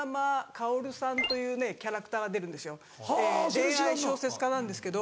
恋愛小説家なんですけど。